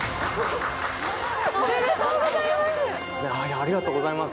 ありがとうございます。